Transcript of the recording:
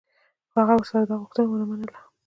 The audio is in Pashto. خو هغه ورسره دا غوښتنه و نه منله.